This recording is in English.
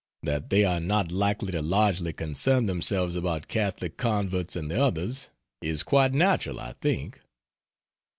That they are not likely to largely concern themselves about Catholic converts and the others, is quite natural, I think.